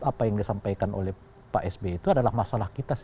apa yang disampaikan oleh pak sby itu adalah masalah kita